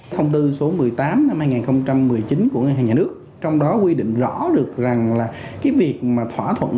thông tư số một mươi tám năm hai nghìn một mươi chín của ngân hàng nhà nước trong đó quy định rõ được rằng là cái việc mà thỏa thuận